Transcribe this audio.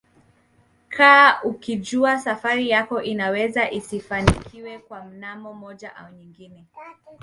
kaa ukijua safari yako inaweza isifanikiwe kwa namna moja au nyingine